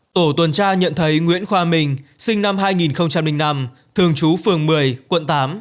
tổ tuần tra nhận thấy nguyễn khoa minh sinh năm hai nghìn năm thường trú phường một mươi quận tám